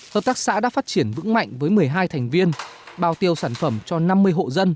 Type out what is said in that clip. hợp tác xã đã phát triển vững mạnh với một mươi hai thành viên bào tiêu sản phẩm cho năm mươi hộ dân